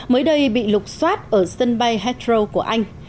mới đây bị lục xoát ở sân bay hetro của anh